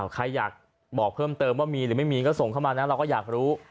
ใครอยากบอกเพิ่มเติมว่ามีหรือไม่มีก็ส่งเข้ามานะเราก็อยากรู้